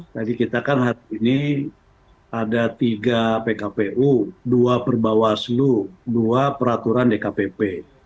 tadi kita kan hari ini ada tiga pkpu dua perbawaslu dua peraturan dkpp